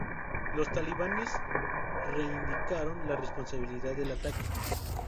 Los talibanes reivindicaron la responsabilidad del ataque.